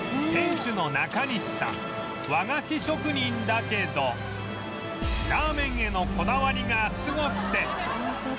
店主の中西さん和菓子職人だけどラーメンへのこだわりがすごくて